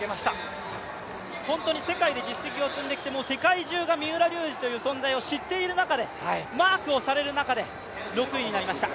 本当に世界で実績を積んできた、もう世界中が三浦龍司という存在を知っている中、マークをされる中で６位になりました。